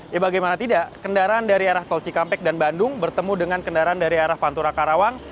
ya bagaimana tidak kendaraan dari arah tol cikampek dan bandung bertemu dengan kendaraan dari arah pantura karawang